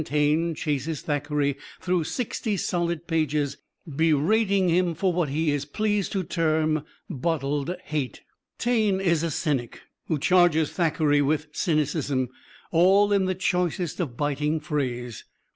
Taine chases Thackeray through sixty solid pages, berating him for what he is pleased to term "bottled hate." Taine is a cynic who charges Thackeray with cynicism, all in the choicest of biting phrase.